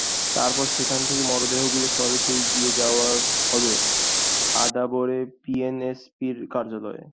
তারপর সেখান থেকে মরদেহগুলো সরাসরি নিয়ে যাওয়া হবে আদাবরে পিএনএসপির কার্যালয়ে।